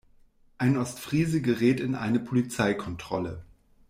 Ein Ostfriese gerät in eine Polizeikontrolle.